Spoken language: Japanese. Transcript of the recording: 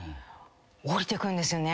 降りてくるんですよね。